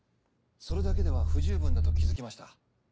それだけでは不十分だと気づきました。